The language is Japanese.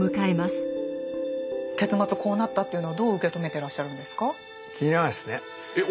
こうなったっていうのはどう受け止めてらっしゃるんですか？